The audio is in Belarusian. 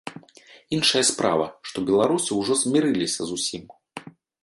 Іншая справа, што беларусы ўжо змірыліся з усім.